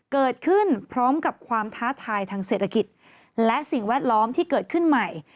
เกิดขึ้นพร้อมกับความท้าทายทางเศรษฐกิจและสิ่งแวดล้อมที่เกิดขึ้นใหม่